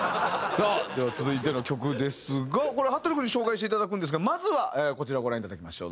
さあでは続いての曲ですがこれははっとり君に紹介していただくんですがまずはこちらをご覧いただきましょう。